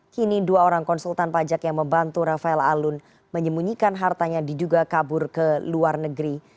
kini dua orang konsultan pajak yang membantu rafael alun menyembunyikan hartanya diduga kabur ke luar negeri